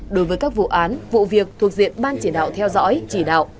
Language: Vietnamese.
đối với các vụ án vụ việc thuộc diện ban chỉ đạo theo dõi chỉ đạo